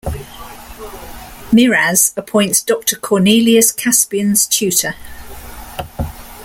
Miraz appoints Doctor Cornelius Caspian's tutor.